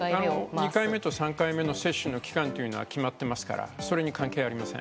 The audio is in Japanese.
２回目と３回目の接種の期間は決まってますからそれに関係ありません。